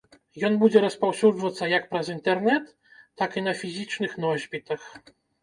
Ён будзе распаўсюджвацца як праз інтэрнэт, так і на фізічных носьбітах.